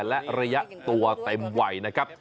และระยะตัวเต็มวัยนะครับ